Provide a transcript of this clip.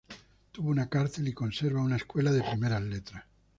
Tuvo una cárcel, y conserva una escuela de primeras letras.